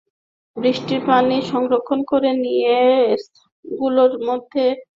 বৃষ্টির পানি সংরক্ষণ করা নিয়ে সংস্থাগুলোর মধ্যে একটি সমাঝোতা স্মারক স্বাক্ষরিত হয়।